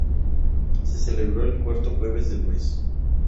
Se celebra el cuarto jueves del mes.